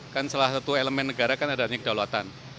kan salah satu elemen negara kan adanya kedaulatan